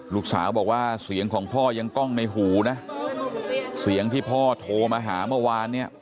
ลูกสาวบอกว่าเสียงของพ่อยังกล้องในหูนะเสียงที่พ่อโทรมาหาเมื่อวานเนี่ย